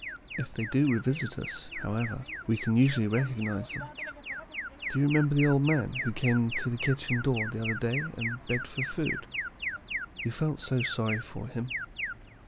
If they do revisit us, however, we can usually recognize them. Do you remember the old man who came to the kitchen door the other day and begged for food? You felt so sorry for him.